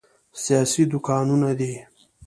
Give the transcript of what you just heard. سیاسي دوکانونه دي.